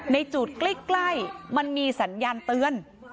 ในจุดใกล้มันมีสัญญาณเตือน